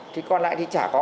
thì còn lại thì chả có